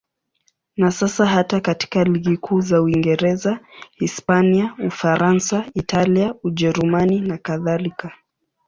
Na sasa hata katika ligi kuu za Uingereza, Hispania, Ufaransa, Italia, Ujerumani nakadhalika.